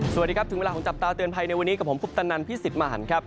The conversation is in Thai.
สวัสดีครับถึงเวลาของจับตาเตือนภัยในวันนี้กับผมคุปตนันพี่สิทธิ์มหันครับ